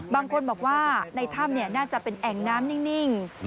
บางคนบอกว่าในถ้ำน่าจะเป็นแอ่งน้ำนิ่ง